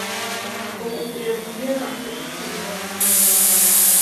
ოკუპირებულია რუსეთის ფედერაციის მიერ.